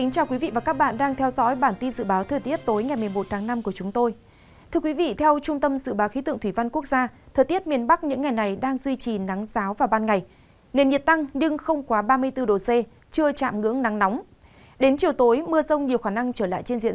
các bạn hãy đăng ký kênh để ủng hộ kênh của chúng mình nhé